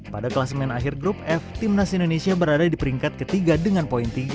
pada kelas main akhir grup f timnas indonesia berada di peringkat ketiga dengan poin tiga